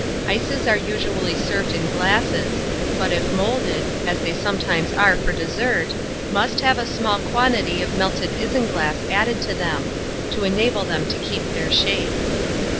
Ices are usually served in glasses, but if moulded, as they sometimes are for dessert, must have a small quantity of melted isinglass added to them, to enable them to keep their shape.